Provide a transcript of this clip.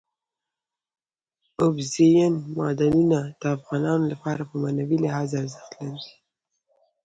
اوبزین معدنونه د افغانانو لپاره په معنوي لحاظ ارزښت لري.